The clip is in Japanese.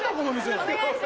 判定お願いします。